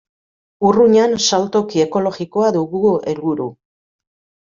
Urruñan saltoki ekologikoa dugu helburu.